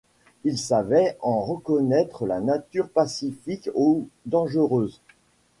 Il savait en reconnaître la nature pacifique ou dangereuse.